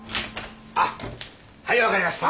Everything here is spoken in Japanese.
あっはい分かりました。